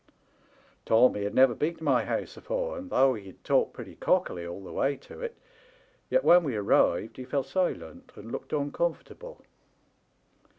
"Tommy had never been to my house afore, and though he had talked pretty cockily all the way to it, yet when we arrived he fell silent, and looked oncomfort able.